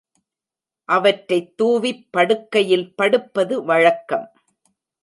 அவற்றைத் தூவிப் படுக்கையில் படுப்பது வழக்கம்.